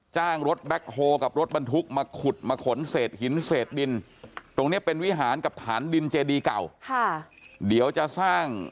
เจออะไรคะเนี้ยไปเจอไฮเก่าแกกิง